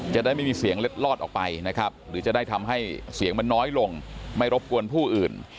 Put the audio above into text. จะได้ไม่มีเสียงเล็ดลอดออกไปนะครับหรือจะได้ทำให้เสียงมันน้อยลงไม่รบกวนผู้อื่น